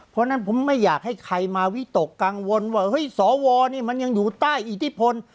เพราะฉะนั้นผมไม่อยากให้ใครมาวิตกกังวลว่าเฮ้ยสวนี่มันยังอยู่ใต้อิทธิพล